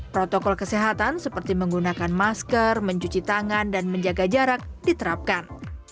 protokol kesehatan seperti menggunakan masker mencuci tangan dan menjaga jarak diterapkan